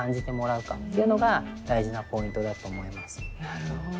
なるほど。